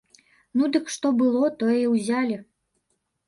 Ну, дык што было, тое і ўзялі.